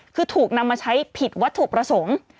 คือถูกนำมาใช้ผิดวัตถุประสงค์